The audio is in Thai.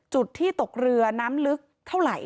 จุดที่ตกเรือน้ำลึกเท่าไหร่